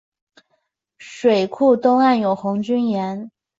水库东岸有红军岩。